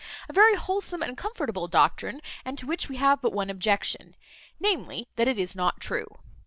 A very wholesome and comfortable doctrine, and to which we have but one objection, namely, that it is not true.